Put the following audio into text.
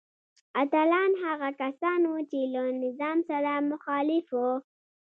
اتلان هغه کسان وو چې له نظام سره مخالف وو.